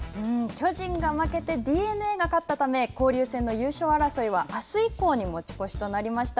巨人が負けてＤｅＮＡが勝ったため交流戦の優勝争いはあす以降に持ち越しとなりました。